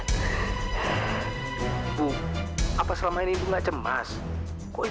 bu apa kamu nggak cemas seperti ini